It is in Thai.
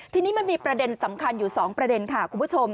ทีนี้มันมีประเด็นสำคัญอยู่๒ประเด็นค่ะคุณผู้ชม